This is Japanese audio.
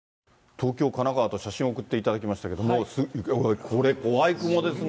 東京、神奈川と写真、送っていただきましたけれども、これ、怖い雲ですね。